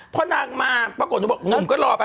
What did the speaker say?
เพราะนางมาปรากฏหนุ่มก็รอไป